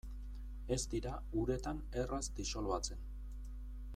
Ez dira uretan erraz disolbatzen.